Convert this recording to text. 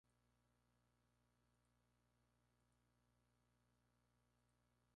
Se enfrentaron a partido único y clasificó el ganador del encuentro.